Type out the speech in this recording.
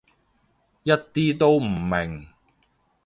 一啲都唔明